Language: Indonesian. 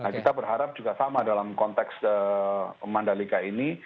nah kita berharap juga sama dalam konteks mandalika ini